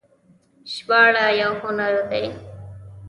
ژباړه یو هنر دی